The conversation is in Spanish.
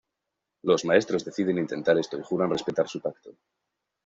Los maestros deciden intentar esto y juran respetar su pacto.